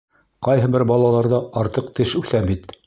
Ҡайһы бер балаларҙа артыҡ теш үҫә бит?